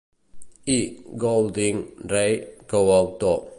I. Goulding, Ray, coautor.